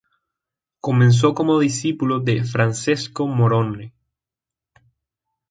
Comenzó como discípulo de Francesco Morone.